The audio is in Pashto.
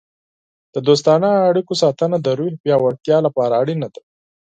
د دوستانه اړیکو ساتنه د روحیې د پیاوړتیا لپاره اړینه ده.